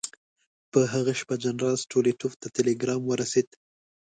په هغه شپه جنرال ستولیتوف ته ټلګرام ورسېد.